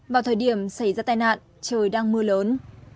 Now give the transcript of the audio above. vào thời điểm xảy ra tai nạn trời đang mưa lớn